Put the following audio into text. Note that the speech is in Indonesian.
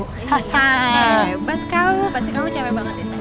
hebat kamu pasti kamu cewek banget ya say